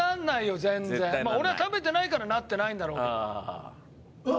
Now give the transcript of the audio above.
「まあ俺は食べてないからなってないんだろうけど」